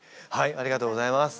ありがとうございます。